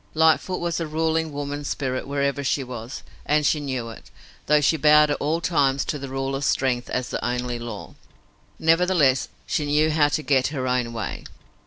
Lightfoot was a ruling woman spirit wherever she was, and she knew it, though she bowed at all times to the rule of strength as the only law. Nevertheless she knew how to get her own way.